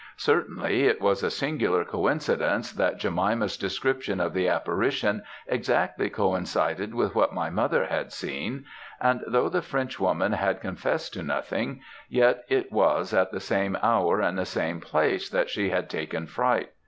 Certainly, it was a singular coincidence, that Jemima's description of the apparition exactly coincided with what my mother had seen; and though the Frenchwoman had confessed to nothing, yet it was at the same hour and the same place that she had taken fright.